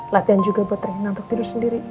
latihan juga buat renang untuk tidur sendiri